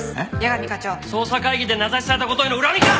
捜査会議で名指しされた事への恨みか！